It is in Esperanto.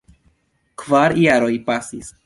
Kvar jaroj pasis.